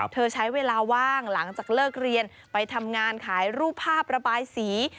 ใช้เวลาว่างหลังจากเลิกเรียนไปทำงานขายรูปภาพระบายสี